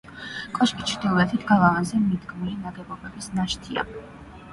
კოშკის ჩრდილოეთით, გალავანზე მიდგმული ნაგებობის ნაშთია.